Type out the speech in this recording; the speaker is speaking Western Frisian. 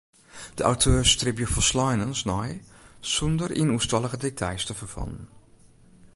De auteurs stribje folsleinens nei sûnder yn oerstallige details te ferfallen.